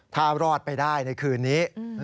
ถ้ารอดไปได้ในคืนนี้